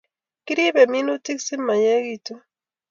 Kiripei minutik simayakekitu